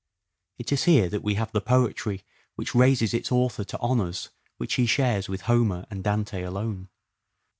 It is here that we have the poetry which raises its author to honours which he shares with Homer and Dante alone.